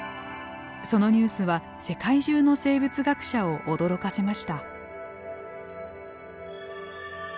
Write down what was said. そのニュースは世界中の生物学者を驚かせました。